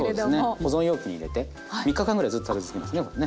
保存容器に入れて３日間ぐらいずっと食べ続けますね